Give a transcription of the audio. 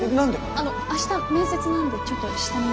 あの明日面接なんでちょっと下見に。